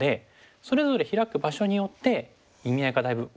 それぞれヒラく場所によって意味合いがだいぶ変わってくるんです。